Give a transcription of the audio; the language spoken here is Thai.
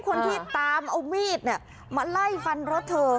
คนที่ตามเอามีดมาไล่ฟันรถเธอ